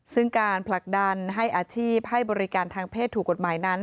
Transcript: ซึ่งการผลักดันให้อาชีพให้บริการทางเพศถูกกฎหมายนั้น